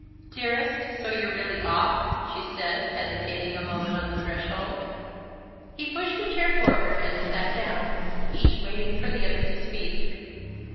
"Dearest so you're really off?" she said, hesitating a moment on the threshold. He pushed a chair forward, and they sat down, each waiting for the other to speak.